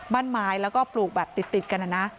บ้านไม้แล้วก็ปลูกแบบติดกันนะนะ